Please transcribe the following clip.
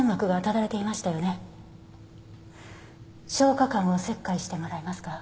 消化管を切開してもらえますか？